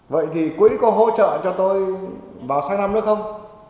vậy thì quỹ có hỗ trợ cho tôi vào sáng năm nữa không